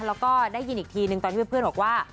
แล้วก็ได้ยินอีกทีนึงตอนที่เพื่อนบอกว่า